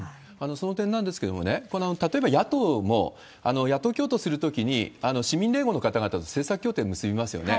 その点なんですけれども、例えば野党も、野党共闘するときに、市民連合の方々と政策協定結びますよね。